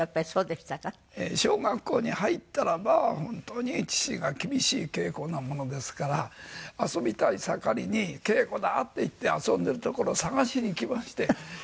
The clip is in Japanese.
小学校に入ったらば本当に父が厳しい稽古なものですから遊びたい盛りに「稽古だ」って言って遊んでいるところを探しにきまして。